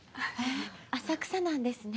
浅草なんですね